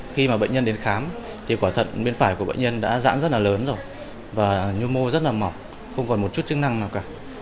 khi mà bệnh nhân đến khám thì quả thận bên phải của bệnh nhân đã giãn rất là lớn rồi và nhu mô rất là mỏng không còn một chút chức năng nào cả